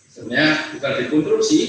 sebenarnya bukan rekonstruksi